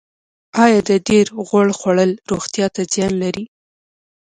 ایا د ډیر غوړ خوړل روغتیا ته زیان لري